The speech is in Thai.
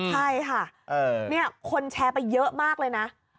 ใช่ค่ะนี่คนแชร์ไปเยอะมากเลยนะ